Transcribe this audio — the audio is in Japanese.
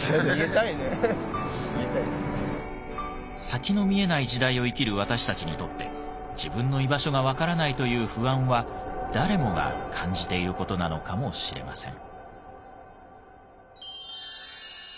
先の見えない時代を生きる私たちにとって自分の居場所が分からないという不安は誰もが感じている事なのかもしれません。